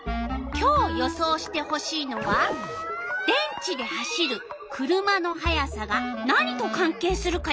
今日予想してほしいのは電池で走る車の速さが何と関係するかよ。